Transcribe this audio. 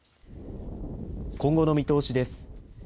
今後の見通しです。